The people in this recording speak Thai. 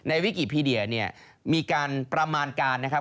วิกิพีเดียเนี่ยมีการประมาณการนะครับ